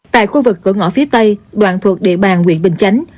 tại khu vực cửa ngõ phía tây đoạn thuộc địa bàn nguyện bình chánh